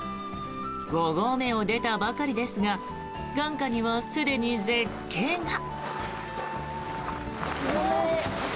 五合目を出たばかりですが眼下にはすでに絶景が。